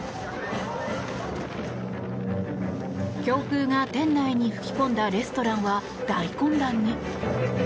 強風が店内に吹き込んだレストランは大混乱に。